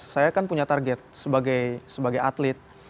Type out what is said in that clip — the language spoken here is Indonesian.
saya kan punya target sebagai atlet